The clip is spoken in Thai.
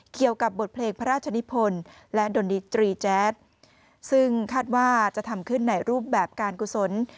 เกี่ยวกับบทเพลงพระราชนิพลและดนดิตรีแจ๊ดซึ่งคาดว่าจะทำขึ้นในรูปแบบการกุศล